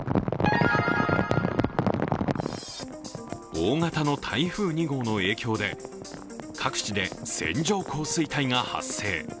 大型の台風２号の影響で各地で線状降水帯が発生。